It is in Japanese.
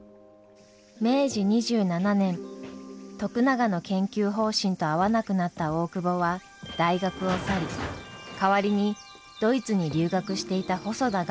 明治２７年徳永の研究方針と合わなくなった大窪は大学を去り代わりにドイツに留学していた細田が助教授に就任しました。